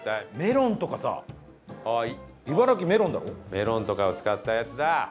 メロンとかを使ったやつだ！